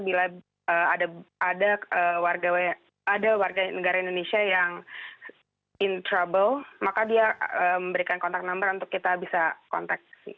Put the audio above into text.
bila ada warga negara indonesia yang in trouble maka dia memberikan kontak number untuk kita bisa kontak